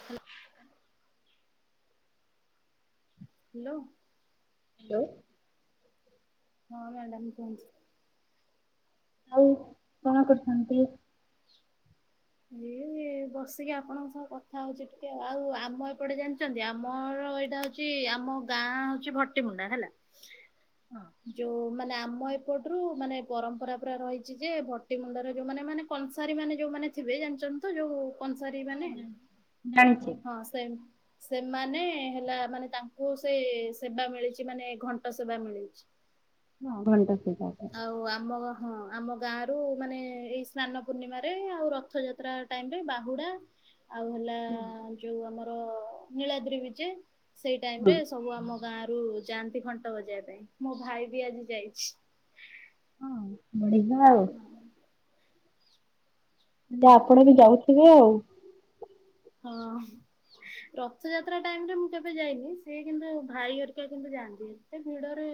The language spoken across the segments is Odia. ହାଲୋ। ହ୍ୟାଲୋ। ହ୍ୟାଲୋ। ହଁ ମ୍ୟାଡ଼ାାମ କୁହନ୍ତୁ। ଆଉ କଣ କରୁଛନ୍ତି? ନ। [unintelligible] ବସିକି ଆପଣଙ୍କ ସହ କଥା ହଉଛି ଟିକେ ଆଉ ଆମ ଏପଟେ ଜାଣିଛନ୍ତି ଆମର ଏଇଟା ହଉଚି ଛି ଆମ ଗାଁ ହଉଛି ଭଟିମୁଣ୍ଡା ହେଲା ହଁ। ଯୋଉ ମାନେ ଆମ ଏପଟରୁୁ ମାନେ ପରମ୍ପରା ପୁରା ରହିଛି ଯେ ଭଟିମୁଣ୍ଡା ର ଯୋଉ ମାନେ ମାନେ କଂସାରୀ ମାନେ ଯୋଉମାନେ ଥିବେ ଜାଣିଛନ୍ତି ତ ଯୋଉ କଂସାରୀମାନେ ଜାଣିଛି। ହଁ ସେ ସେମାନେ ହେଲା ମାନେ ତାଙ୍କୁ ସେ ସେବା ମିଳିଛି ମାନେ ଘଣ୍ଟ ସେବା ମିଳିଛି। ହଁ ଘଣ୍ଟା ସେ। ଆଉ ଆମର। ହଁ ଆମ ଗାଁରୁ ମାନେ ଏଇ ସ୍ନାନ ପୂର୍ଣ୍ଣିମାରେ ଆଉ ରଥଯାତ୍ରା ଟାଇମରେ ବାହୁଡା ଆଉ ହେଲା ଯୋଉ ଆମର ନୀଳାଦ୍ରିବିଜେ ସେଇ ଟାଇମ ହଁ ରେ ସବୁ ଆମ ଗାଁରୁ ଯାଆନ୍ତି ଘଣ୍ଟ ବଜେଇବା ପାଇଁ ମୋ ଭାଇ ବି ଆଜି ଯାଇଛି। ହଁ। ବଢିଆ ଆଉ। ଆପଣ ବି ଯାଉଥିବେ ଆଉ। ହଁ। ରଥଯାତ୍ରା ଟାଇମରେ ମୁଁ କେବେ ଯାଇନି ସେି କିନ୍ତୁ ଭାଇ ଘରିକା କିନ୍ତୁ ଯାଆନ୍ତି ଏତେ ଭିଡରେ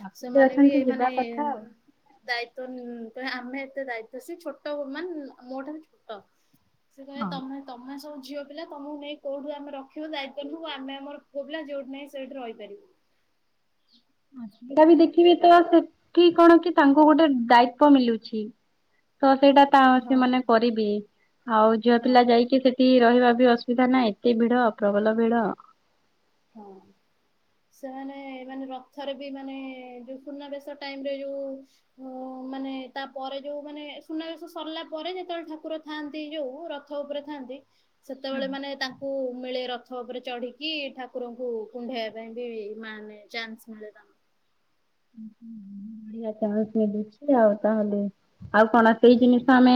ପାଖରେ ସେମାନେ ବି ଅଛନ୍ତି ଯିବା ଏଇମାନେ କଥା ଆଉ। ଦାୟିତ୍ଵ ତ ଆମେ ଏତେ ଦାୟିତ୍ୱ ସେ ଛୋଟମାନେ ମୋ ଠାରୁ ଛୋଟ। ସେ କହେ ହଁ। ତମେ ତମେ ସବୁ ଝିଅପିଲା ତମକୁ ନେଇ କୋଉଠୁ ଆମେ ରଖିବୁ ଦାୟିତ୍ଵ ନୁ ଆମ ଆମ ପୁଅ ପିଲା ଯଉଠିହିଁ ସେଇଠି ରହିପିବୁ। ତଥାପି ଦେଖିବେ ତ ସେଠି କଣ କି ତାଙ୍କୁ ଗୋଟେ ଦାୟିତ୍ଵ ମିଳୁଛି। ତ ସେଇଟା ତା ହଁ ସେମାନେ କରିବି ଆଉ ଝିଅ ହଁ ପିଲା ଯାଇକି ସେ ଏ ରହିବା ବି ଅସୁବିଧା ନାହିଁ ଏତେ ଭିଡ ପ୍ରବଳ ଭିଡ। ହଁ। ସେମାନେ ମାନେ ରଥରେ ବି ମାନେ ଯୋଉ ସୁୂନାବେଶ ଟାଇମରେ ଯୋଉ। ତ ମାନେ ତାପରେ ଯୋଉମାନେ ସୁନାବେଶ ସରିଲା ପରେ ଯେତେବେଳେ ଠାକୁର। ଥାଆନ୍ତି ଯୋଉ ରଥ ଉପରେ ଥାଆନ୍ତି। ସେତେବେଳେ ମାନେ ତାକୁ ମିଳେ ରଥ ଉପରେ ଚଢିକି ଠାକୁ। ଠାକୁରଙ୍କୁ କୁଣ୍ଢେଇବା ପାଇଁ ବି ମାନେ ଚାନ୍ସ ମିଳେ ତାଙ୍କୁ। ବଢିଆ ଚାନ୍ସ ମିଳୁଛି ଆଉ ତାହେଲେ ଆଉ କଣ ସେଇ ତାଙ୍କୁ। ଜିନିଷ। ଆମେ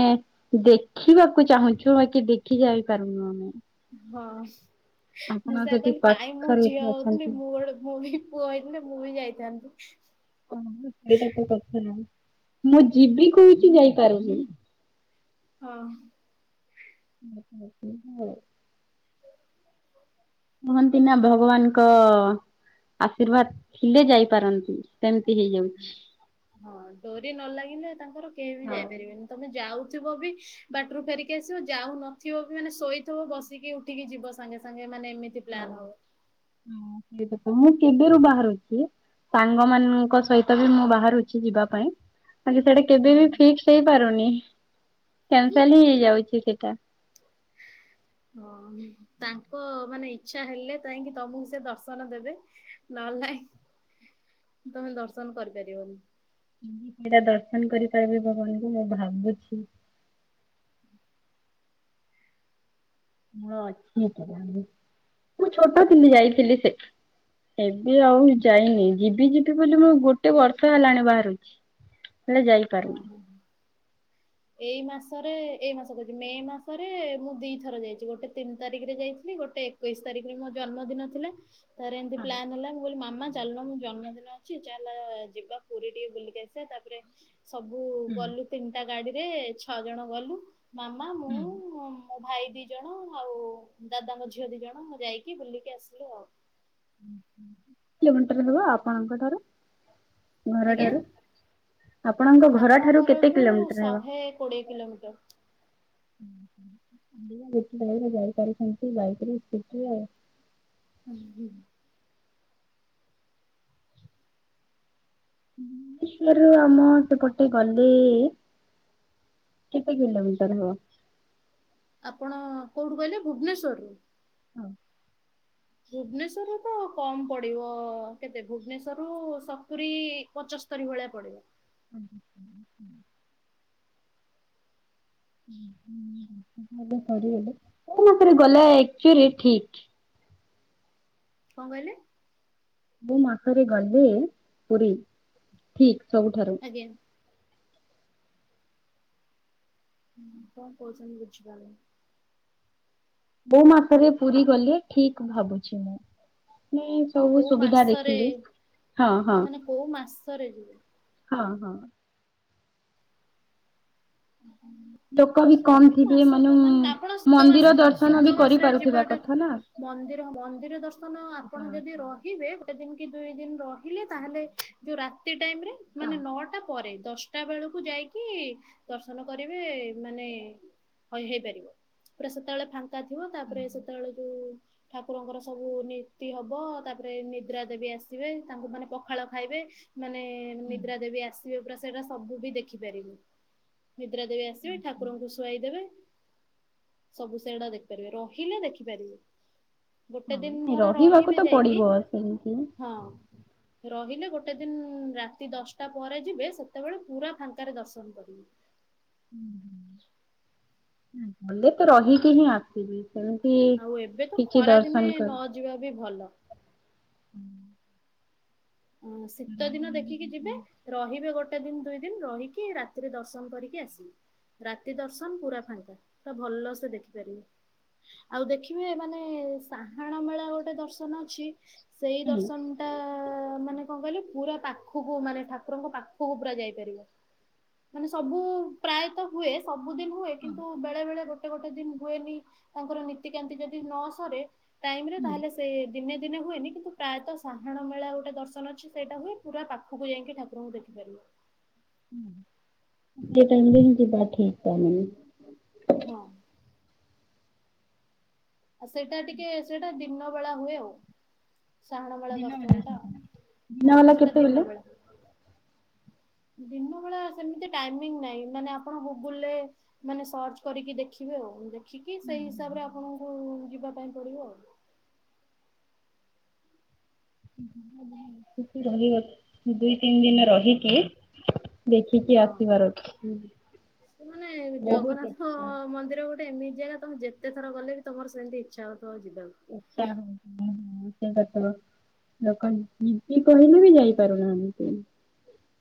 ଦେଖିବାକୁ ଚାହୁଁଛୁ ବା କି ଦେଖି ଯାଇ ପାରୁନୁ ଆମେ। ହଁ ମୁଁ ଆପଣ ସେୟା ସେଠି କହିଲି କାହିଁ ମୁଁ ପାଖରେ ଝିଅ ହଉଥିଲି ଅଛନ୍ତି ମୁଁ ଗୋଟେ ପୁଅବି ପୁଅ ହେଇଥିଲେ ମୁଁ ବି ଯାଇଥାଆନ୍ତି। ମୁଁ ଯିବି କହୁଛି ଯାଇପାରୁନି। ହଁ। [inaudible] କୁହନ୍ତି ନା ଭଗବାନଙ୍କ। ଆଶୀର୍ବାଦ ଥିଲେ ଯାଇପାରନ୍ତି ସେମିତି ହେଇଯାଉଛି। ହଁ ଡୋରି ନ ଲାଗିଲେ ତାଙ୍କର କେହି ବି ହଉ। ଯାଇପାରିବେନି ତମେ ଯାଉଥିବ ବି। ବାଟରୁ ଫେରିକି ଆସିବ ଯାଉ ନଥିବ ବି ମାନେ ଶୋଇଥିବ, ବସିକି, ଉଠିକି ଯିବ ସାଙ୍ଗେ ସାଙ୍ଗେ ମାନେ ଏମିତି। ପ୍ପ୍ଲାନ୍ ହବ। ହଁ ସେଇ କଥା ମୁଁ କେବେ ରୁ ବାହାରୁଛି। ସାଙ୍ଗମାନଙ୍କ ସହିତ ବି ମୁଁ ବାହାରୁଛି ଯିବା ପାଇଁ। ବାକି ସେଇଟା କେବେ ହୁଁ। ବି ଫିକ୍ସ ହେଇପାରୁନି କ୍ୟାନ୍ସଲ ହେଇଯାଉଛି ସେଇଟା। ହଁ ତାଙ୍କ ମାନେ ଇଚ୍ଛା ହେଲେ ଯାଇଙ୍କି ତମକୁ ସେ ଦର୍ଶନ ଦେବେ। ନହେଲେ ନାହିଁ ତମେ ଦର୍ଶନ କରିପାରିବନି। ବିରିଡ଼ି ସେଇଟା ଦର୍ଶନ କରିପାରିବି ଭଗବାନଙ୍କୁ ମୁଁ ଭାବୁଛି। [unintelligible] ମୁଁ ଛୋଟ ଥିଲି ଯାଇଥିଲି ସେଠ ଏବେ ଆଉ ଯାଇନି ଯିବି ଯିବି ବୋଲି ମୁଁ ଗୋଟେ ବର୍ଷ ହେଲାଣି ବାହାରୁଛି। ହେଲେ ଓ ହଁ ଯାଇପାରୁନି ହଁ। ଏଇ ମାସରେ ଏଇ ମାସ କହୁଛି ମେ ମାସରେ ମୁଁ ଦୁଇ ଥର ଯାଇଛି ଗୋଟେ ତିନି ତାରିଖରେ ଯାଇଥିଲି ଗୋଟେ। ଏକୋଇଶ ତାରିଖରେ ମୋ ଜନ୍ମଦିନ ଥିଲା ତା ପରେ ଏମିତି ପାଲ୍ନ୍ ହେଲା ମୁଁ କହିଲି ମାମା। ଚାଲୁନ ମୋ ଜନ୍ମଦିନ ଅଛି ଚାଲେ ଯିବା ପୁରୀ ଟିକେ ବୁଲିକି ଆସିବା ତାପରେ। ସବୁ ଗଲୁ ତିନିଟା ଗାଡିରେ ଛଅ ଜଣ ଗଲୁ ମାମା। ହୁଁ। ହଁ ମୋ ଭାଇ ଦି ଜଣ ଆଉ ଦାଦାଙ୍କ ଝିଅ ଦି ଜଣ ଯାଇକି ବୁଲିକି ଆସିଲୁ ଆଉ। ଓ ହୋ କେତେ କିଲୋମିଟର ହେବ ଆପଣଙ୍କ ଠାରୁ। ଆଜ୍ଞା ଘରଠାରୁ ଆପଣଙ୍କ ଆମ ଘରଠାରୁ କେତେ ଘରଠୁ କିଲୋମିଟର ହେବ। ଶହେ କୋଡିଏ କିଲୋମିଟର [unintelligible] ହୁଁ ହୁଁ। [inaudible] ହୁଁ ପୁରୀ ରୁ ଆମ ସେପଟେ ଗଲେ। କେତେ କିଲୋମିଟର ହବ। ଆପଣ କୋଉଠୁ କହିଲେ ଭୁବନେଶ୍ୱରରୁ। ହଁ। ଭୁବନେଶ୍ୱରରୁ ତ କମ୍ ପଡିବ କେତେ ଭୁବନେଶ୍ୱରରୁ ସତୁରୀ ପଞ୍ଚଶ ସ୍ତରି ଭଳିଆ ପଡିବ। [inaudible] [unintelligible] କଁ କହିଲେ। କୋଉ ମାସରେ ଗଲେ ପୁରୀ ଠିକ୍ ସବୁଠାରୁ। ଆଜ୍ଞା। ହୁଁ କଁ କହୁଛନ୍ତି ବୁଝି ପାରୁନି। କୋଉ ମାସରେ ପୁରୀ ଗଲେ ଠିକ୍ ଭାବୁଛି ମୁଁ। ସବୁ କୋଉ ସୁବିଧା ମାସରେ ଦେଖିଲେ ହଁ ହଁ ମାନେ କୋଉ ମାସରେ ଯିବ? ହଁ ହଁ। [unintelligible] ଲୋକ ବି କମ ସେମିତି ଥିବେ ମାସ ମାନେ ଆପଣ ଶୀତ ମାସ ମନ୍ଦିର ଦର୍ଶନ ବି ଶୀତ ମାସରେ କରିପାରୁଥିବା ଯିବାଟା। କଥା ନା। ମନ୍ଦିର ମନ୍ଦିର ଦର୍ଶନ ଆପଣ ହଁ ଯଦି ହଁ ରହିବେ ଗୋଟେ ଦିନ କି ଦୁଇ ଦିନ ରହିଲେ ତାହେଲେ ଯୋଉ ରାତି ଟାଇମ୍ ରେ ମାନେ ନଅଟା ପରେ ଦଶଟା ବେଳକୁ ଯାଇକି ଦର୍ଶନ କରିବେ ମାନେ ହଁ ହେଇପାରିବ, ପୁରା ସେତେବେଳେ ଫା - ଙ୍କା ଥିବ ତାପରେ ସେତେବେଳେ ଯୋଉ ଠାକୁରଙ୍କର ସବୁ ନୀତି ହବ ତାପରେ ଏ ନିଦ୍ରା ଦେବୀ ଆସିବେ, ତାଙ୍କୁ ମାନେ ପଖାଳ ଖାଇବେ। ମାନେ ନିଦ୍ରା ଦେବୀ ଆସିବେ ପୁରା ସେଇଟା ସବୁ ବି ଦେଖିପାରିବୁ। ନିଦ୍ରା ଦେବୀ ଆସିବେ ଠାକୁରଙ୍କୁ ଶ ଶୁଆଇ ଦେବେ, ସବୁ ସେଗୁଡା ଦେଖିପାରିବେ, ରହିଲେ ଦେଖିପାରିବେ। ଗୋଟେ ଦିନ ନାଇଁ ଧର ରହିବାକୁ ରହିବେ ତ ଯାଇକି ପଡିବ ସେମିତି। ହଁ ରହିଲେ ଗୋଟେ ଦିନ ରାତି ଦଶଟା ପରେ ଯିବେ ସେତେବେଳେ ପୁରା ଫାଙ୍କାରେ ଦର୍ଶନ କରିବେ। ଉଁ, ହୁଁ। ନାଇଁ, ଗଲେ ତ ରହିକି ହିଁ ଆସିବି। ଏମତି ଆଉ ଏବେ ତ ଟିକେ ଖରା ଦିନେ ଦର୍ଶନ ନ କରି ଯିବା ବି ଭଲ। ହୁଁ। ହଁ ଶୀତ ଦିନ ଦେଖିକି ଯିବେ ରହିବେ ଗୋଟେ ଦିନ ଦୁଇ ଦିନ ରହିକି, ରାତିରେ ଦର୍ଶନ କରିକି ଆସିବେ। ରାତି ଦର୍ଶନ ପୁରା ଫାଙ୍କା, ପୁରା ଭଲ ସେ ଦେଖିପାରିବେ। ଆଉ ଦେଖିବେ ମାନେ ସାହାଣ ମେଳା ଗୋଟେ ଦର୍ଶନ ଅଛି। ସେଇ ହୁଁ, ଦର୍ଶନ ଟା ମା ନେ କଣ କହିଲେ? ପୁରା ପାଖକୁ ମାନେ ଠାକୁରଙ୍କ ପାଖକୁ ପୁରା ଯାଇପାରିବ। ମାନେ ସବୁ ପ୍ରାୟତ ହୁଏ, ସବୁଦିନ ହୁଏ, କିନ୍ତୁ ବେଳେ ବେଳେ ଗୋଟ ଟେ ଗୋଟେ ଦିନ ହୁଏନି, ତାଙ୍କର ନୀତିକାନ୍ତି ଯଦି ନ ସରେ ଟାଇମ୍ ରେ ତାହେଲେ ସେ ଦିନେ ଦିନେ ହୁଏନି କିନ୍ତୁ ପ୍ରାୟତ ସାହାଣ ମେଳା ଗୋଟେ ଦର୍ଶ ଶନ ଅଛି ସେଇଟା ହୁଏ, ପୁରା ପାଖକୁ ଯାଇକି ଠାକୁରଙ୍କୁ ଦେଖିପାରିବ। ହଁ, ଏ ଟାଇମ୍ ରେ ହିଁ ଯିବାର ଠିକ ଟାଇମ୍ [unintelligible] ହଁ। ଆଉ ସେଇଟା ଟିକେ ସେଇଟା ଦିନ ବେଳା ହୁଏ ଆଉ। ସାହାଣ ମେଳା ଦର୍ଶନ ଟା, ଦିନ ହଁ ବେଲା ସେଟା ଦିନ କେତେବେଲେ ବେଳା। ଦିନ ବେଳା ସେମିତି ଟାଇମିଙ୍ଗ ନାହିଁ, ମାନେ ଆପଣ ଗୁଗୁଲରେ ମାନେ ସର୍ଚ୍ଚ କରିକି ଦେଖିବେ ଆଉ, ଦେଖିକି ସେଇ ହିସାବରେ ଆପଣଙ୍କୁ ଯିବା ପାଇଁ ପଡିବ। [inaudible] ତିନ ଦିନ ରହିକି ଦେଖିକି ହଁ। ଆସିବାର ଅଛି। ମାନେ ବହୁତ ଜଗନ୍ନାଥ ଇଚ୍ଛା ମନ୍ଦିର ଗୋ ସେ ଏମିତି ଜାଗା ତୋମେ ଯେତେ ଥର ଗଲେ ବି ତୋମର ସେମତି ଇଚ୍ଛା ହଉଥିବ ଯିବାକୁ। [inaudible] ଲୋକ ଯିକି କହିଲେ ବି ଯାଇପାରୁନାହାନ୍ତି।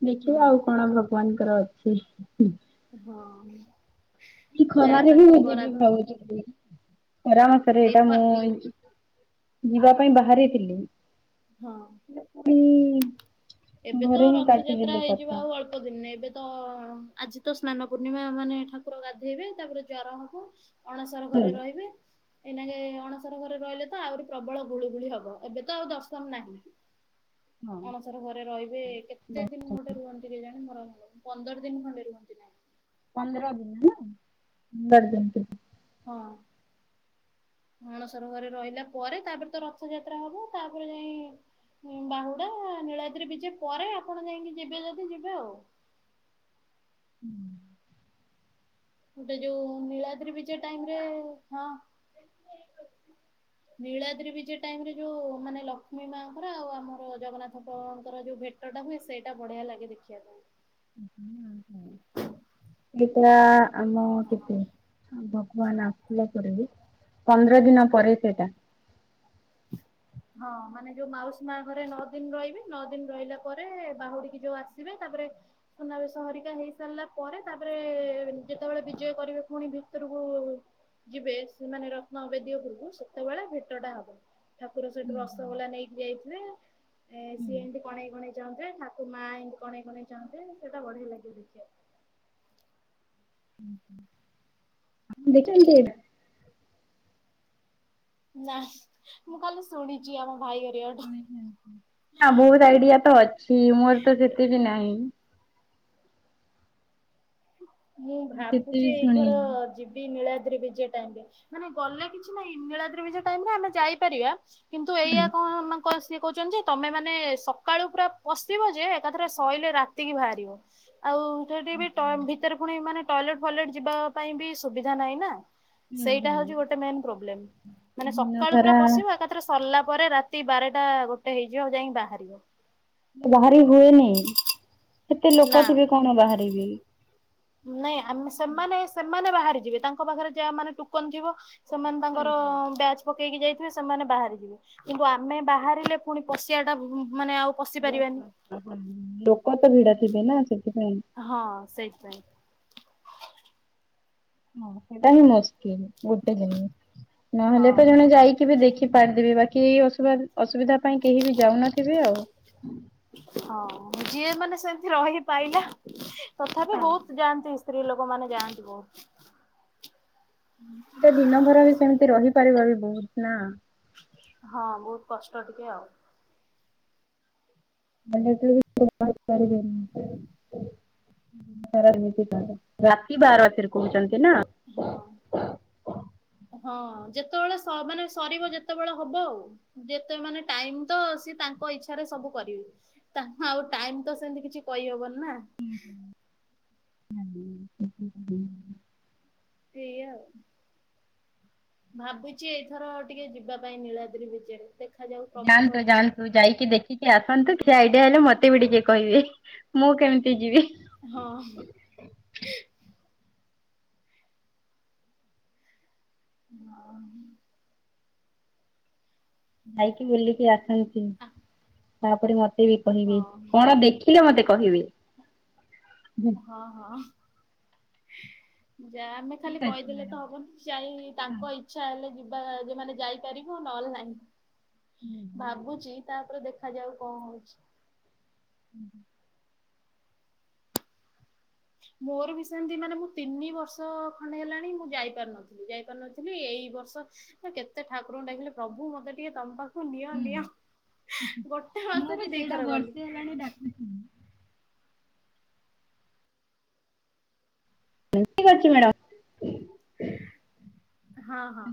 ଦେଖିବା ହୁଁ। ଆଉ କଣ ଭଗବାନଙ୍କର ଅଛି। ହଁ। ଏଇ ଯାହା ଖରାରେ ହିଁ ମୁ ତାଙ୍କ ଯିବି ବରାଦ ଭାବୁଛି ପୁରୀ। ଖରା ମାସରେ ଏଇ ଏଇଟା ଖ ମୁଁ ଯିବା ପାଇଁ ବାହାରିଥିଲି। ହଁ। [inaudible] ଏବେ ତ ଘରେ ହିଁ ରଥଯାତ୍ରା କାଟିଦେଲେ ହେଇଯିବ କଥା। ଆଉ ଅଳ୍ ପ ଦିନ, ଏବେ ତ ଆଜି ତ ସ୍ନାନ ପୂର୍ଣ୍ଣିମା ମାନେ ଠାକୁର ଗାଧେଇବେ, ତାପରେ ଜ୍ଵର ହବ। ଅଣସର ହୁଁ ଘରେ ରହିବେ ଏଇନାଗେ ଅଣସର ଘରେ ରହିଲେ ତ ଆହୁରି ପ୍ରବଳ ଗୁଳୁଗୁଳି ହବ ଏବେ ତ ଆଉ ଦର୍ଶମ ନାହିଁ। [inaudible] ହଁ। ଅଣସର ଘରେ ରହିବେ କେତେ ଦିନ ଗୋଟେ ରୁହନ୍ତି କି ଜାଣି ମୋର ପନ୍ଦର ଦିନ ଖଣ୍ଡେ ରୁହନ୍ତି ନା ପନ୍ଦର ଦିନ ହେ ନା ପନ୍ଦର ଦିନ ହଁ। ଅଣସର ଘରେ ରହିଲା ପରେ ତାପରେ ତ ରଥଯାତ୍ରା ହବ ତାପରେ ଯାଇ ହଁ ବାହୁଡା ନୀଳାଦ୍ରି ବିଜେ ପରେ ଆପଣ ଯାଇକି ଯିବେ ଯଦି ଯିବେ ଆଉ [inaudible] ଗୋଟେ ଯୋଉ ନୀଳାଦ୍ରି ବିଜ ଟାଇମ ରେ ହଁ ନୀଳାଦ୍ରି ବିଜେ ଟାଇମ ରେ ଯୋଉ ମାନେ ଲକ୍ଷ୍ମୀ ମାଙ୍କର ଆଉ ଆମର ଜଗନ୍ନାଥଙ୍କର ଯୋଉ ଭେଟ ଟା ହୁଏ ସେଇଟା ବଢିଆ ଲାଗେ ଦେଖିବା ପାଇଁ। ଏଇଟା ଆମ ହଁ କେତେ ଭଗବାନ ଆସିଲ ପରେ ବି ପନ୍ଦର ଦିନ ପରେ ସେଇଟା [inaudible] ହଁ ମାନେ ଯୋଉ ମାଉସୀ ମା ଘରେ ନଅ ଦିନ ରହିବେ ନଅ ଦିନ ରହିଲା ପରେ ବାହୁଡିକ ଯୋଉ ଆସିବେ ତାପରେ ସୁନାବେଶ ହରିକା ହେଇ ସାରିଲା ପରେ ତାପରେ ଯେତେବେଳେ ବିଜୟ କରିବେ ପୁଣି ଭିତରକୁ ଯିବେ ସେମାନେ ରତ୍ନ ଅବେଦୀ ଉପରକୁ ସେତେବେଳେ ଭେଟଟା ହବ ଠାକୁର ସେଠୁ ରସଗୋଲା ନେଇକି ଯାଇଥିଲେ ଏ ସିଏ ଏମିତି ହୁଁ। କଣେଇ କଣେଇ ଚାହନ୍ତେ ଠାକୁ ମାଆ ଏମତି କଣେଇ କଣେଇ ଚାହନ୍ତେ ସେଟା ବଢିଆ ଲାଗିବ ଦେଖିବାକୁ। ଦେଖନ୍ତି? ନାଇ ମୁଁ କାଲି ଶୁଣିଛି ଆମ ଭାଇହେରିକାଠୁ। ନା ବହୁତ ଆଇଡିଆ ତ ଅଛି ମୋର ତ ସେତେ ବିି ନାହିଁ ମୁଁ ସେତେ ଭାବୁଛି ବି ଏଇଥର ଶୁଣିନି। ଯି ତିନୀଳା ଦ୍ରି ବିଜ ଟାଇମରେ ମାନେ ଗଲେ କିଛି ନାହିଁ ନୀଳା ଦ୍ରିିବଜ ଟାଇମରେ ଆମେ ଯାଇପାରିବା। କିନ୍ତୁ ହୁଁ ଏଇଆ କଣ ନା ସିଏ କହୁଛନ୍ତି ଯେ ତମେ ମାନେ ସକାଳୁ ପୁରା ପଶିବ ଯେ ଏକାଥରେ ଶୋଇଲେ ରାତିକି ବାହାରିବ। ଆଉ ସେଠି ଭିତରେ ପୁଣି ମାନେ ଟଏଲେଟ ଫଲେଟ ଯିବା ପାଇଁ ବି ସୁବିଧା ନାହିଁ ନା। ହୁଁ ସେଇଟା ହୁଁ। ହଉଛି ଗୋଟେ ମେନ ପ୍ରୋବ୍ଲେମ ମାନେ ଦିନ ସକାଳୁ ପୁରା ସାରା ପଶିବା ଏକଥା ରେ। ପୁରା ସରିଲା ପରେ ରାତି ବାରଟା ଗୋଟେ ହେଇଯିବ ଆଉ ଯାଇକି ବାହାରିବ। ବାହାରି ହୁଏନି ସେତେ ଲୋକ ନା ଥିବେ କଣ ବାହାରିବି। ନାଇଁ ଆମେ ସେମାନେ ସେମାନେ ବାହାରି ଯିବେ ତାଙ୍କ ପାଖରେ ଯାହା ମାନେ ଟୁକନ ଥିବ। ସେମାନେ ତାଙ୍କର ବ୍ୟାଚ୍। ପକେଇକି ଯାଇଥିବେ ସେମାନେ ବାହାରିଯିବେ କିନ୍ତୁ ଆମେ ବାହାରିଲେ ପୁଣି ପଶିବା ଟା ମାନେ ଆଉ ପଶି ପାରିବାନି। ଲୋକ ତ ଭିଡ ଥିବେ ନା ସେଥିପାଇଁ ହଁ ସେଇପାଇଁ। ହଁ ସେଇଟା ହିଁ ମୁସ୍କିଲ ଗୋଟେ ଜିନିଷ ନହେଲେ ତ ଜଣେ ହଁ ଯାଇକି ବି ଦେଖି ପାରିଥିବେ ବାକିସ ଅସୁବିଧା ପାଇଁ କେହି ବି ଯାଉନଥିବେ ଆଉ। ହଁ ଯିଏ ମାନେ ସେମିତି ରହି ପାଇଲା ତଥାପି ବହୁତ ଯାଆନ୍ତି ସ୍ତ୍ରୀ ଲୋକମାନେ ଯାଆନ୍ତି ବହୁତ। ଏଟେ ଦିନ ଭର ବି ସେମିତି ରହିପାରିବ ବି ବହୁତ ନା। ହଁ ବହୁତ କଷ୍ଟ ଟିକେ ଆଉ। ବଲେ ବା କର [unintelligible] ତି ରାତି ବାର ବାସରେ କହୁଛନ୍ତି ନା [unintelligible] ହଁ। ହଁ ଯେତେବେଳେ ସ ମାନେ ସରିବ ଯେତେବେଳେ ହବ ଆଉ। ଯେତେ ମାନେ ଟାଇମ ତ ସିଏ ତାଙ୍କ ଇଚ୍ଛାରେ ସବୁ କରିବେ। ତା ଆଉ ଟାଇମ ତ ସେମିତି କିଛି କହିହବନି ନା। ଉଁ ହୁଁ [unintelligible] ସେଇଆ ଆଉ। ଭାବୁଛି ଏଇଥର ଟିକେ ଯିବା ପାଇଁ ନୀଳାଦ୍ରି ବିଜେରେ। ଦେଖାଯାଉ। ପ୍ରଭୁଙ୍କ ଯାଆନ୍ତୁ ଇଚ୍ଛା। ଯାଆନ୍ତୁ ଯାଇକି ଦେ ଟିକେ ଆସନ୍ତୁ ଖିଆ ଆଇଡିଆ ହେଲେ ମତେ ବି ଟିକେ କହିବେ ମୁଁ କେମିତି ଯିବି। ହଁ। ହଁ। ଯାଇକି ବୁଲିକି ଆସନ୍ତି ଆ ତାପରେ ମତେ ବି କହିବେ ହଁ। କଣ ଦେ ଖିଲେ ମତେ କହିବେ? ହଁ ହଁ। ଯା ଆ ଆମେ ଖାଲି ଠିକ୍ ଅଛି କହିଦେଲେ ତ ମ୍ୟାଡ଼ାମ୍ ହବନି ଯାଇ ତାଙ୍କ ଇ ଆଚ୍ଛା ହେଲେ ଯିବା ମାନେ ଯାଇପାରିବ ନହେଲେ ନାହିଁ ହଁ। ଭାବୁଛି ତାପରେ ଦେ ଖାଯାଉ କଣ ହଉଛି। ହୁଁ ହୁଁ। ମୋର ବି ସେମିତି ମାନେ ମୁଁ ତିନି ବର୍ଷ ଖଣ୍ଡେ ହେଲାଣି ମୁଁ ଯାଇ ପାରୁନଥିଲି ଯାଇ ପାରୁନ ଥିଲି ଏଇ ବର୍ଷ କେତେ ଠାକୁରଙ୍କୁ ଡାକିଲି ପ୍ରଭୁ ମତେ ଟିକେ ତମ ପା ନିଅ ନିଅ ଗୋଟେ ମାସରେ ଦିଥର ଗଲି। ଠିକ ଅଛି ମ୍ୟାଡ଼ାମ। ହଁ ହଁ।